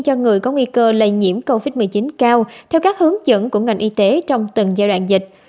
cho người có nguy cơ lây nhiễm covid một mươi chín cao theo các hướng dẫn của ngành y tế trong từng giai đoạn dịch